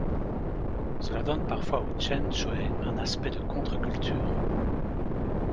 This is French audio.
Cela donne parfois au xuanxue un aspect de contreculture.